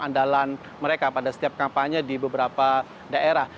andalan mereka pada setiap kampanye di beberapa daerah